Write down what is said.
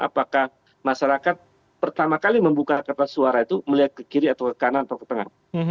apakah masyarakat pertama kali membuka kertas suara itu melihat ke kiri atau ke kanan atau ke tengah